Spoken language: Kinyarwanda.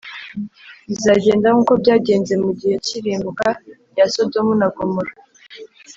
bizagenda nkuko byagenze mu gihe cy irimbuka rya Sodomu na Gomora